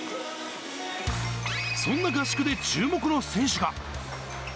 そんな合宿で注目の選手が。